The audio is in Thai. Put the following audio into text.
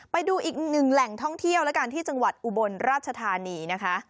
ไปดูอีกหนึ่งแหล่งท่องเที่ยวแล้วกันที่จังหวัดอุบลราชธานีนะคะ